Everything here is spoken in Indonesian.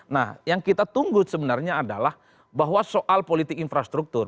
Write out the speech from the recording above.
nah yang kita tunggu sebenarnya adalah bahwa soal politik infrastruktur